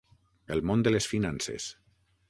El món de les finances.